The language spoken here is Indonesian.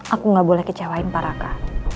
aku gak boleh kecewain pak raka